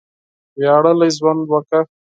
وياړلی ژوند وکړه!